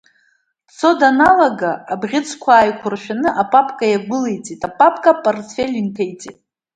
Дцо даналага, абӷьыцқәа ааиқәыршәаны апапка иагәылеиҵеит, апапка апортфель инҭеиҵеит.